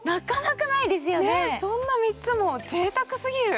そんな３つも、ぜいたくすぎる。